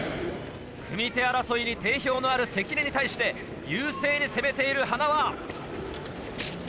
組手争いに定評のある関根に対して優勢に攻めている塙。